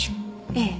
ええ。